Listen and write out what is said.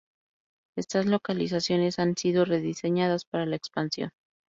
Estas localizaciones han sido rediseñadas para la expansión.